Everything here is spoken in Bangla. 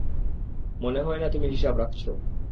মনে হয় না তুমি হিসাব রাখছো।